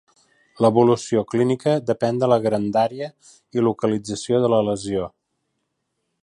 L'evolució clínica depèn de la grandària i localització de la lesió.